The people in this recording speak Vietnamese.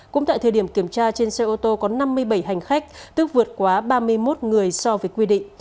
cũng tại thời điểm kiểm tra trên xe ô tô có năm mươi bảy hành khách tức vượt quá ba mươi một người so với quy định